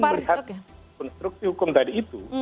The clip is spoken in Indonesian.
kalau melihat konstruksi hukum tadi itu